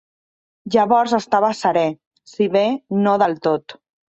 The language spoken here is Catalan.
Llavors estava serè, si bé no del tot.